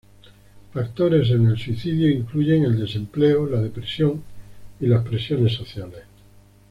Factores en el suicidio incluyen el desempleo, la depresión, y las presiones sociales.